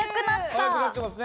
速くなってますね。